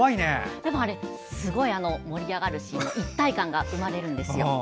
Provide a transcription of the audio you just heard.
でもあれ、盛り上がるし一体感が生まれるんですよ。